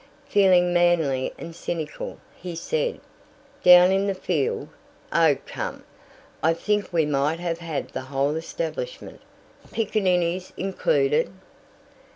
Feeling manly and cynical, he said: "Down in the field? Oh, come! I think we might have had the whole establishment, piccaninnies included."